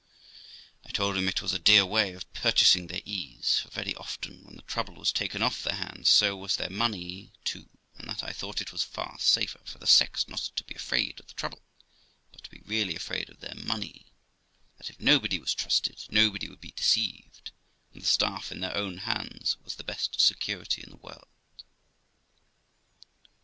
I told him it was a dear way of purchasing their ease, for very often, when the trouble was taken off of their hands, so was their money too ; and that I thought it was far safer for the sex not to be afraid of the trouble, but to be really afraid of their money ; that if i>obody was trusted, nobody would be deceived, and the staff in their own hands was the best security in the world.